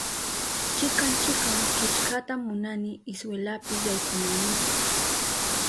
Chikan chikan killkata munani iskwelapi yaykunaynipa